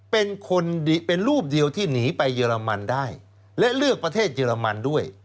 เป็นคนดีเป็นรูปเดียวที่หนีไปเยอรมันได้และเลือกประเทศเยอรมันด้วย